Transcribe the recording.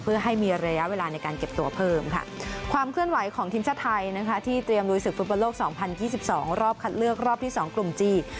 เพื่อให้มีระยะเวลาในการเก็บตัวเพิ่มค่ะความเคลื่อนไหวของทีมชาติไทยนะคะที่เตรียมลุยศึกฟุตบอลโลก๒๐๒๒รอบคัดเลือกรอบที่๒กลุ่มจีน